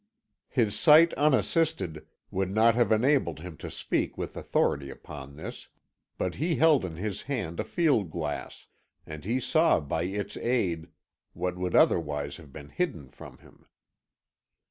His sight unassisted would not have enabled him to speak with authority upon this, but he held in his hand a field glass, and he saw by its aid what would otherwise have been hidden from him.